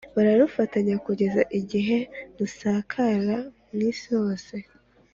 bararufatanya, kugeza igihe rusakara mu isi yose.